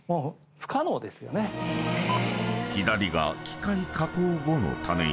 ［左が機械加工後の種印］